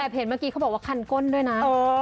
เห็นเมื่อกี้เขาบอกว่าคันก้นด้วยนะ